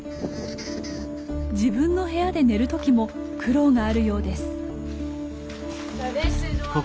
自分の部屋で寝る時も苦労があるようです。